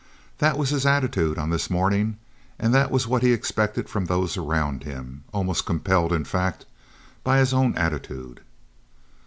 That was his attitude on this morning, and that was what he expected from those around him—almost compelled, in fact, by his own attitude.